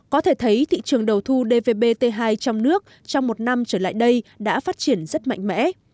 có thể thấy thị trường đầu thu dvbt hai trong nước trong một năm trở lại đây đã phát triển rất mạnh mẽ